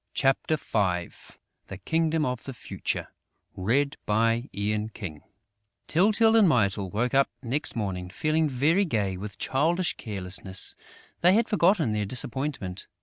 CHAPTER V THE KINGDOM OF THE FUTURE Tyltyl and Mytyl woke up next morning, feeling very gay; with childish carelessness, they had forgotten their disappointment.